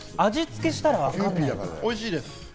おいしいです。